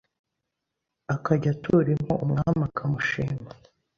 akajya atura impu umwami akamushima.